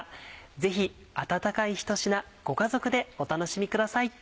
ぜひ温かいひと品ご家族でお楽しみください。